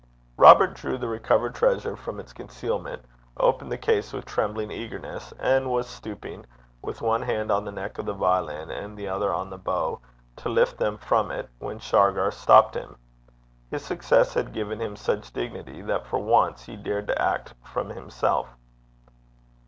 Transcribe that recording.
Robert drew the recovered treasure from its concealment, opened the case with trembling eagerness, and was stooping, with one hand on the neck of the violin, and the other on the bow, to lift them from it, when Shargar stopped him. His success had given him such dignity, that for once he dared to act from himself.